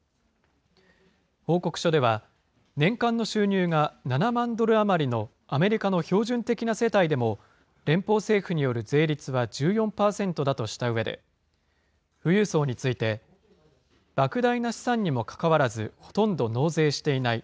報告書では、年間の収入が７万ドル余りのアメリカの標準的な世帯でも、連邦政府による税率は１４％だとしたうえで、富裕層について、ばく大な資産にもかかわらず、ほとんど納税していない。